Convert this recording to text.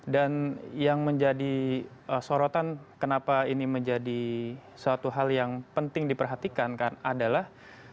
dan yang menjadi sorotan kenapa ini menjadi suatu hal yang penting diperhatikan kan adalah